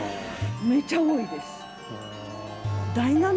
めちゃ多いです。